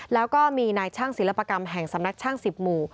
แล้วก็มีนายช่างศิลปกรรมแห่งสำนักช่าง๑๐หมู่